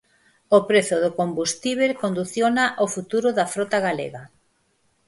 O prezo do combustíbel condiciona o futuro da frota galega.